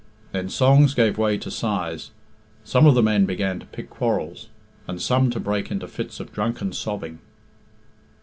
Then songs gave way to sighs, some of the men began to pick quarrels, and some to break into fits of drunken sobbing.